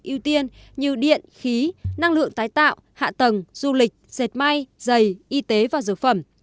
ưu tiên như điện khí năng lượng tái tạo hạ tầng du lịch dệt may dày y tế và dược phẩm